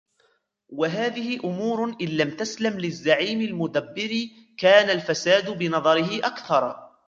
وَهَذِهِ أُمُورٌ إنْ لَمْ تَسْلَمْ لِلزَّعِيمِ الْمُدَبِّرِ كَانَ الْفَسَادُ بِنَظَرِهِ أَكْثَرَ